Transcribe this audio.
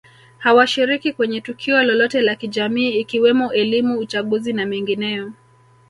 hawashiriki kwenye tukio lolote la kijamii ikiwemo elimu uchaguzi na mengineyo